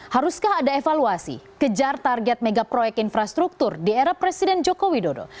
haruskah ada evaluasi kejar target megaproyek infrastruktur di era presiden joko widodo